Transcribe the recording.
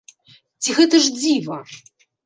Ці гэта ж дзіва?!